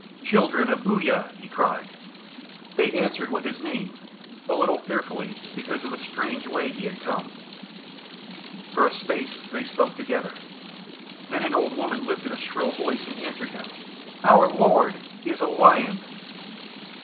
"Children of Uya!" he cried. They answered with his name, a little fearfully because of the strange way he had come. For a space they spoke together. Then an old woman lifted a shrill voice and answered him. "Our Lord is a Lion."